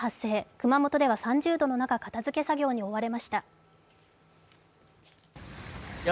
熊本では３０度の中、片づけ作業に追われました。